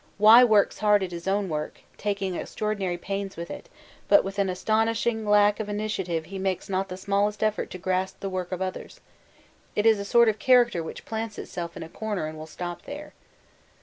'Y.... works hard at his own work, taking extraordinary pains with it, but with an astonishing lack of initiative he makes not the smallest effort to grasp the work of others; it is a sort of character which plants itself in a corner and will stop there.